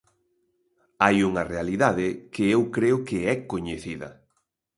Hai unha realidade que eu creo que é coñecida.